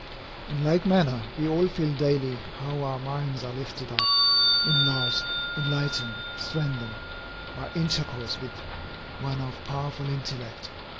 In like manner we all feel daily how our minds are lifted up, enlarged, enlightened, strengthened, by intercourse with one of powerful intellect.